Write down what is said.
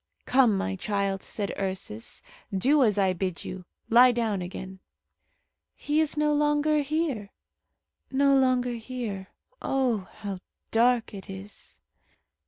"Come, my child," said Ursus, "do as I bid you. Lie down again." "He is no longer here, no longer here. Oh! how dark it is!"